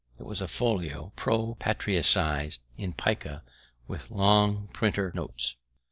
It was a folio, pro patria size, in pica, with long primer notes.